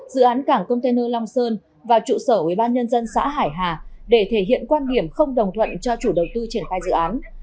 dự án cảng container long sơn và trụ sở ubnd xã hải hà để thể hiện quan điểm không đồng thuận cho chủ đầu tư triển khai dự án